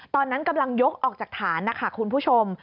ตอนนั้นกำลังยกออกจากฐานนะคะคุณผู้ชม